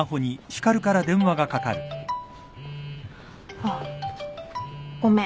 あっごめん。